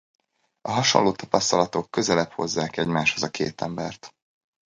A hasonló tapasztalatok közelebb hozzák egymáshoz a két embert.